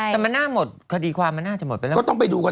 แต่มันน่าหมดคดีความมันน่าจะหมดไปแล้ว